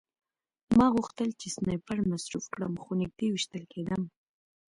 ما غوښتل چې سنایپر مصروف کړم خو نږدې ویشتل کېدم